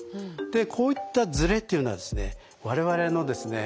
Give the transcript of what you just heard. でこういったズレというのはですね我々のですね